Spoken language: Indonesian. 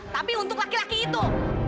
tapi untuk laki laki itu